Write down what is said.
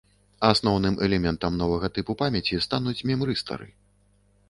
Асноўным элементам новага тыпу памяці стануць мемрыстары.